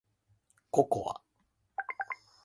ココア